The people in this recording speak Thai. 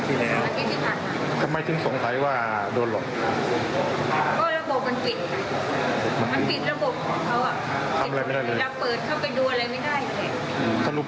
๙๐มียอดเงินประมาณเท่าไรครับ